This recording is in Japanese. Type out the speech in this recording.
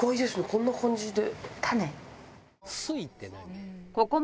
こんな感じで。